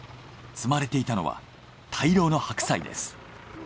積まれていたのは大量のハクサイです。